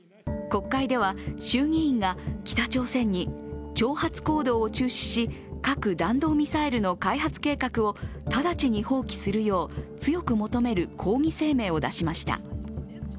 国会では衆議院が北朝鮮に挑発行動を中止し核・弾道ミサイルの開発計画を直ちに放棄するよう強く求める抗議声明を出しました。